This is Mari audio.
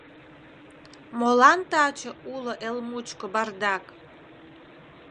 Молан таче уло эл мучко бардак.